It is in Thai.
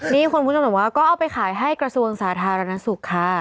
นี่คุณผู้ชมบอกว่าก็เอาไปขายให้กระทรวงสาธารณสุขค่ะ